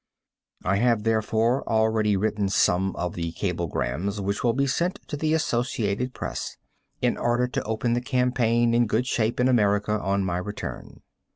I have, therefore, already written some of the cablegrams which will be sent to the Associated Press, in order to open the campaign in good shape in America on my return.